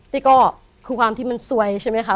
นี่ก็คือความที่มันซวยใช่ไหมคะ